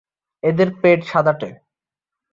এদের পেট সাদাটে।